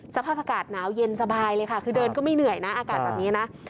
สภาพอากาศหนาวเย็นสบายเลยค่ะคือเดินก็ไม่เหนื่อยนะอากาศแบบนี้นะ